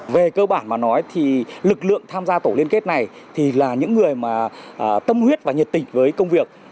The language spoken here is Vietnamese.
về cơ bản mà nói thì lực lượng tham gia tổ liên kết này thì là những người mà tâm huyết và nhiệt tình với công việc